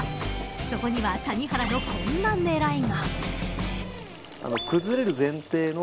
そこには谷原のこんな狙いが。